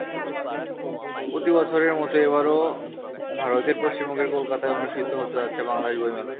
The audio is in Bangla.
প্রতি বছরের মতো এবারও ভারতের পশ্চিমবঙ্গের কলকাতায় অনুষ্ঠিত হতে যাচ্ছে বাংলাদেশ বইমেলা।